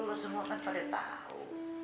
lo semua kan pada tau